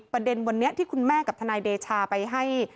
ประเด็นวันนี้ที่คุณแม่กับทนายเดชาไปให้